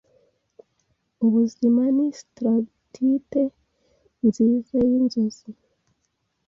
Ubuzima ni stalactite nziza yinzozi,